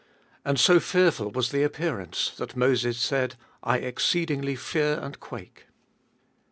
And so fearful was the appearance, that Moses said, I exceedingly fear and quake.